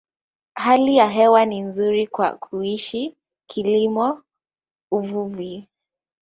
Hali ya hewa ni nzuri kwa kuishi, kilimo, uvuvi.